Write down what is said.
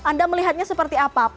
anda melihatnya seperti apa